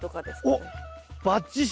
おっバッチシ！